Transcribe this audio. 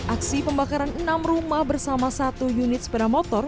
aksi pembakaran enam rumah bersama satu unit sepeda motor